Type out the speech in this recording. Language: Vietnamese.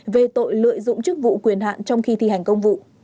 về tội lợi dụng chức vụ quyền hạn trong khi thi hành công vụ